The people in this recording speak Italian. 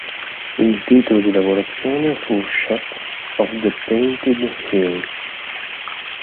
Il titolo di lavorazione fu "Shep of the Painted Hills".